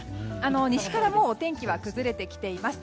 西からもうお天気は崩れてきています。